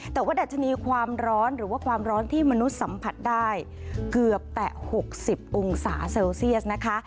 แต่ว่าดัชนีความร้อนหรือว่าความร้อนที่มนุษย์สัมผัสได้เกือบแต่๖๐องศาเซลเซียสนะคะ